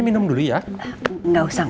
siap pak bos